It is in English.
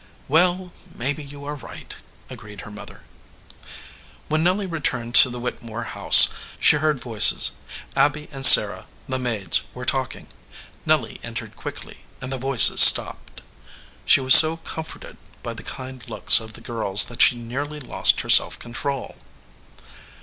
"Well, maybe you are right," agreed her mother. When Nelly returned to the Whittemore house she heard voices ; Abby and Susan, the maids, were talking. Nelly entered quickly, and the voices stopped. She was so comforted by the kind looks of the girls that she nearly lost her self control.